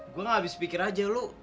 gue gak bisa pikir aja